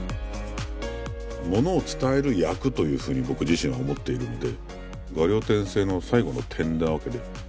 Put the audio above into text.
ものを伝える役というふうに僕自身は思っているので「画竜点睛」の最後の点なわけで。